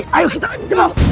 bawa dia pergi dari sini